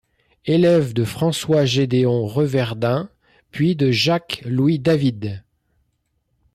Élève de François-Gédéon Reverdin, puis de Jacques-Louis David.